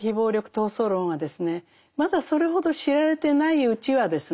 まだそれほど知られてないうちはですね